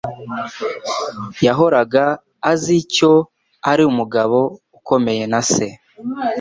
Yahoraga azi icyo ari umugabo ukomeye na se.